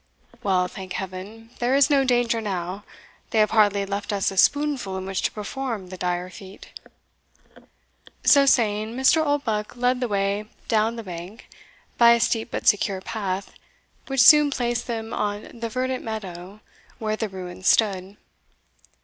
"Well, thank Heaven, there is no danger now they have hardly left us a spoonful in which to perform the dire feat." So saying, Mr. Oldbuck led the way down the bank, by a steep but secure path, which soon placed them on the verdant meadow where the ruins stood.